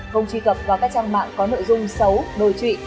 không truy cập vào các trang mạng có nội dung xấu đồ trị